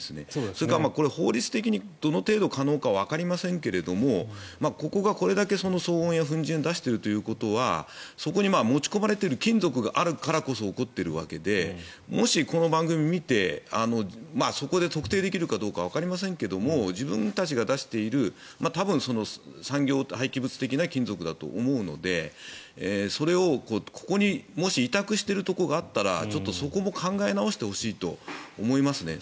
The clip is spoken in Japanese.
それから、法律的にどの程度可能かわかりませんがここがこれだけ騒音や粉じんを出しているということはそこに持ち込まれている金属があるからこそ起こっているわけでもし、この番組を見てそこで特定できるかはわかりませんが自分たちが出している多分、産業廃棄物的な金属だと思うのでそれをここにもし委託しているところがあったらちょっとそこも考え直してほしいと思いますね。